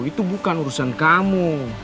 itu bukan urusan kamu